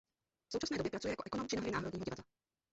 V současné době pracuje jako ekonom Činohry Národního divadla.